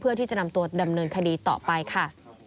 เพื่อที่จะนำตัวดำเนินคดีต่อไปค่ะ